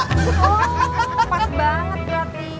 oh pas banget berarti